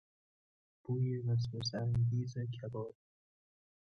بوی وسوسهانگیز کباب